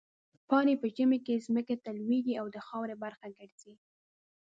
پاڼې په ژمي کې ځمکې ته لوېږي او د خاورې برخه ګرځي.